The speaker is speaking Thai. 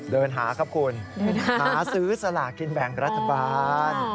เดินหาครับคุณหาซื้อสลากินแบ่งรัฐบาล